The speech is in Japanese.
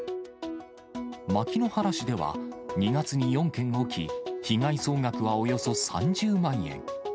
牧之原市では２月に４件起き、被害総額はおよそ３０万円。